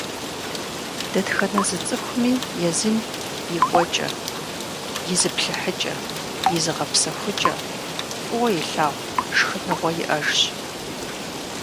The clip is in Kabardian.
Дэтхэнэ зы цӏыхуми езым и кӏуэкӏэ, и зыплъыхьыкӏэ, и зыгъэпсэхукӏэ, фӏыуэ илъагъу шхыныгъуэ иӏэжщ.